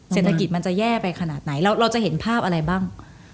เศรษฐกิจมันจะแย่ไปขนาดไหนเราจะเห็นภาพอะไรบ้าง